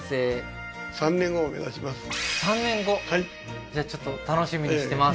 ふっ３年後はいじゃあちょっと楽しみにしてます